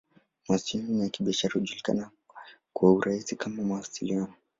Mawasiliano ya Kibiashara hujulikana kwa urahisi kama "Mawasiliano.